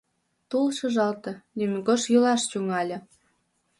Тул шыжалте, лӱмегож йӱлаш тӱҥале.